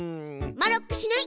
マロックしない！